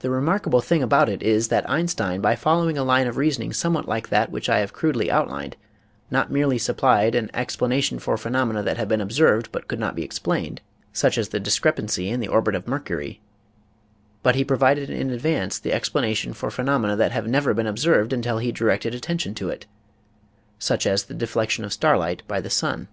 The remarkable thing about it is that Einstein, by following a line of reasoning somewhat like that which I have crudely outlined, not merely supplied an ex planation for phenomena that had been observed but could not be explained (such as the discrepancy in MECHANICAL VS. MATHEMATICAL MINDS 87 the orbit of Mercury) but he provided in advance the explanation for phenomena that had never been ob served until he directed attention to it (such as the deflection of starlight by the sun).